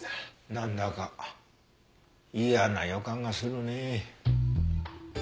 なんだか嫌な予感がするね。